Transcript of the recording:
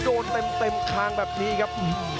โดนเต็มคางแบบนี้ครับ